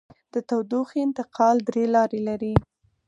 د تودوخې انتقال درې لارې لري.